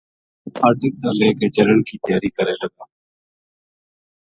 پھاٹک تا لے کے چلن کی تیاری کرے لگا